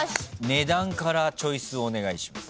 値段からチョイスお願いします。